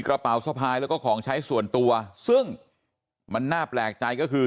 กระเป๋าสะพายแล้วก็ของใช้ส่วนตัวซึ่งมันน่าแปลกใจก็คือ